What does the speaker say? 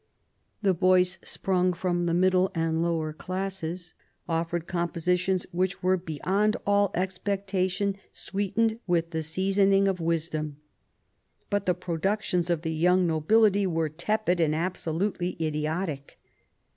The boys sprung from the middle and lower classes offered compositions which were "beyond all ex pectation sweetened with the seasoning of wisdom," but the productions of the young nobility were " tepid, and absolutely idiotic."